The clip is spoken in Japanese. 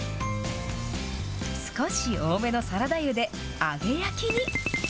少し多めのサラダ油で揚げ焼きに。